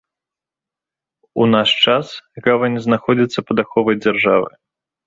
У наш час гавань знаходзіцца пад аховай дзяржавы.